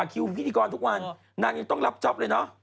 อยู่๖๐กว่าคิวพิธีกรทุกวันนั่งยังต้องรับจอบเลยเนอะ